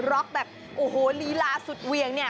ล็อกแบบโอ้โหลีลาสุดเวียงเนี่ย